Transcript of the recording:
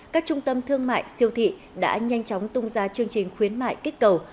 các trung tâm thương mại siêu thị đã nhanh chóng tung ra chương trình khuyến mại kích cầu